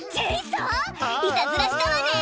いたずらしたわね！